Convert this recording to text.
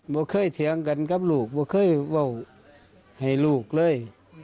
บอกเคยเถียงกันกับลูกบอกเคยบอกให้ลูกเลย